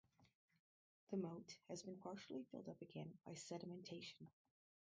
The moat has been partially filled up again by sedimentation.